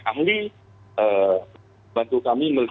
dan kami akan melakukan otopsi